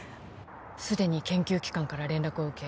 既に研究機関から連絡を受け